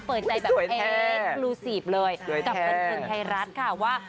เปิดใจแบบแอ๊ะลูสีบเลยสวยแท้กับเพลงไทยรัฐค่ะว่า